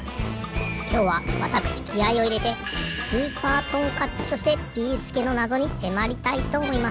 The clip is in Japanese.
きょうはわたくしきあいをいれてスーパートンカッチとしてビーすけのなぞにせまりたいとおもいます。